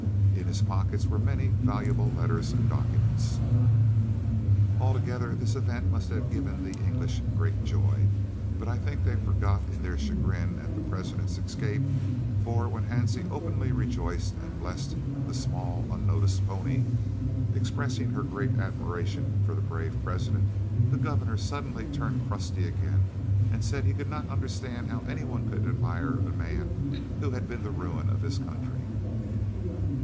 In his pockets were many valuable letters and documents. Altogether this event must have given the English great joy, but I think they forgot it in their chagrin at the President's escape, for when Hansie openly rejoiced and blessed the "small unnoticed pony," expressing her great admiration for the brave President, the Governor suddenly turned crusty again and said he could not understand how any one could admire a man who had been the ruin of his country.